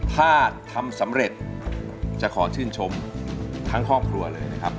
ถ้าทำสำเร็จจะขอชื่นชมทั้งครอบครัวเลยนะครับ